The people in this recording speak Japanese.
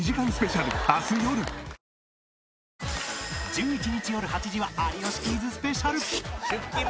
１１日よる８時は『有吉クイズ』スペシャル